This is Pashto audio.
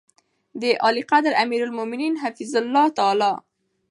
د عاليقدر اميرالمؤمنين حفظه الله تعالی